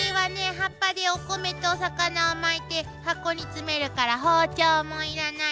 葉っぱでお米とお魚を巻いて箱に詰めるから包丁も要らない。